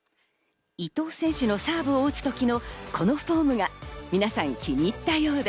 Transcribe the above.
伊藤選手のサーブを打つ時のこのフォームが皆さん、気に入ったようで。